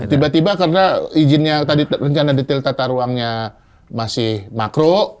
tiba tiba karena izinnya tadi rencana detail tata ruangnya masih makro